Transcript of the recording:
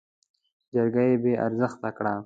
جرګه يې بې ارزښته کړه.